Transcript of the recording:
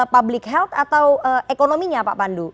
public health atau ekonominya pak pandu